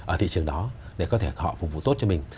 ở thị trường đó để có thể họ phục vụ tốt cho mình